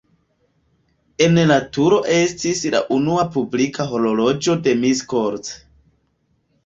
En la turo estis la unua publika horloĝo de Miskolc.